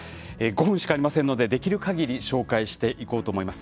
５分しかありませんのでできるかぎり紹介していこうと思います。